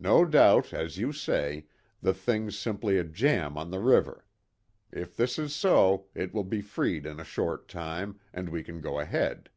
No doubt, as you say, the thing's simply a jam on the river. If this is so, it will be freed in a short time, and we can go ahead.